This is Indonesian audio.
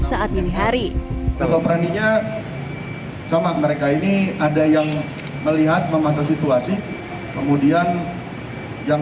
saat ini hari operandinya sama mereka ini ada yang melihat memantau situasi kemudian yang